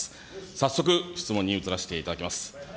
早速、質問に移らせていただきます。